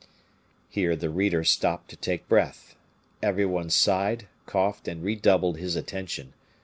Here the reader stopped to take breath. Every one sighed, coughed, and redoubled his attention.